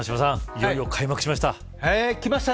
いよいよ開幕しました。